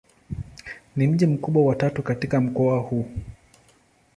Ni mji mkubwa wa tatu katika mkoa huu.